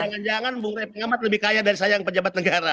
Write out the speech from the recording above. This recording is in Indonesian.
jangan jangan bung rey pengamat lebih kaya dari saya yang pejabat negara